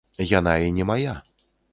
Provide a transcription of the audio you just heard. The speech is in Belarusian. Яна і не мая.